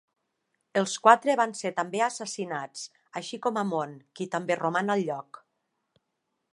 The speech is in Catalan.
Els quatre van ser també assassinats, així com Amon, qui també roman al lloc.